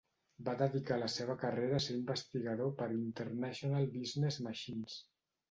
Va dedicar la seva carrera a ser investigador per International Business Machines.